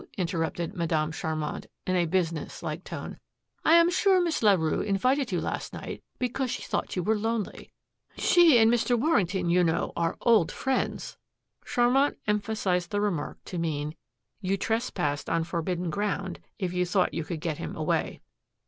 interrupted Madame Charmant in a business like tone. "I am sure that Miss Larue invited you last night because she thought you were lonely. She and Mr. Warrington, you know, are old friends." Charmant emphasized the remark to mean, "You trespassed on forbidden ground, if you thought you could get him away."